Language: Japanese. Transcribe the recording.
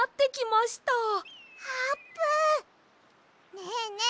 ねえねえ